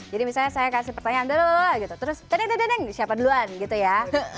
jadi misalnya saya kasih pertanyaan dulu terus dada dada siapa duluan gitu ya